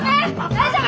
大丈夫？